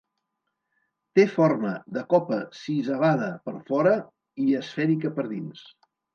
Té forma de copa sisavada per fora i esfèrica per dins.